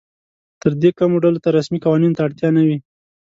تر دې کمو ډلو ته رسمي قوانینو ته اړتیا نه وي.